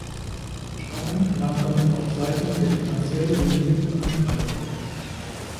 Der Schaden lag damit auf Seiten der finanziell ruinierten Angreifer.